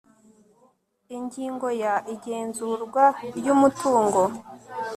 ingingo ya igenzurwa ry umutungo